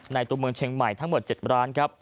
ตัวเมืองเชียงใหม่ทั้งหมด๗ร้านครับ